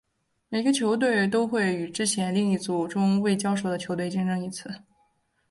每个球队都会与之前另一小组中未交手的球队竞争一次。